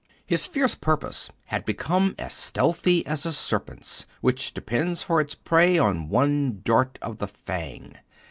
His fierce purpose had become as stealthy as a serpent's, which depends for its prey on one dart of the fang.